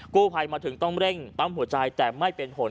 ภัยมาถึงต้องเร่งปั๊มหัวใจแต่ไม่เป็นผล